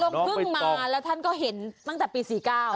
เพิ่งมาแล้วท่านก็เห็นตั้งแต่ปี๔๙